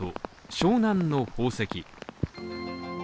湘南の宝石